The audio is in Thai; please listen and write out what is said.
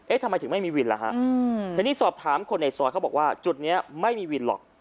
ทำไมถึงไม่มีวินล่ะฮะทีนี้สอบถามคนในซอยเขาบอกว่าจุดนี้ไม่มีวินหรอก